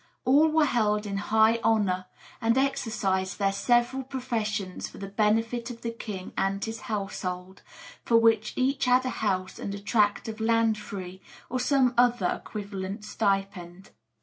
All were held in high honour, and exercised their several professions for the benefit of the king and his household, for which each had a house and a tract of land free, or some other equivalent stipend.